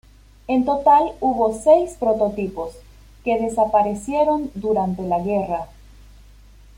En total, hubo seis prototipos, que desaparecieron durante la guerra.